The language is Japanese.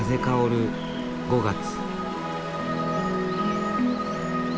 薫る５月。